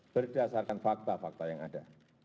berdasarkan fakta fakta yang ada